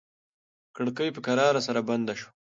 کړکۍ په کراره سره بنده شوه.